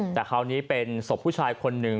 แต่คราวนี้เป็นศพผู้ชายคนหนึ่ง